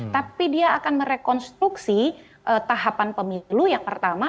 tapi dia akan merekonstruksi tahapan pemilu yang pertama